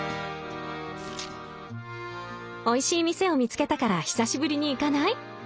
「おいしい店を見つけたから久しぶりに行かない？